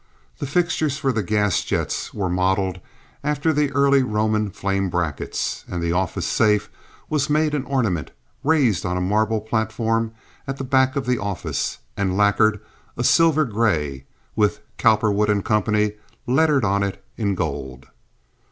The fixtures for the gas jets were modeled after the early Roman flame brackets, and the office safe was made an ornament, raised on a marble platform at the back of the office and lacquered a silver gray, with Cowperwood & Co. lettered on it in gold.